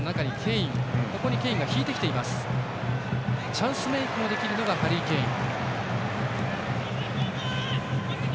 チャンスメークもできるのがハリー・ケイン。